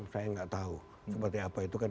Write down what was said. saya nggak tahu seperti apa itu kan